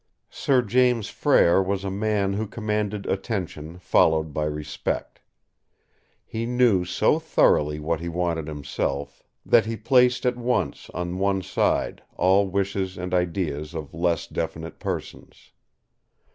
Sir James Frere was a man who commanded attention followed by respect. He knew so thoroughly what he wanted himself, that he placed at once on one side all wishes and ideas of less definite persons.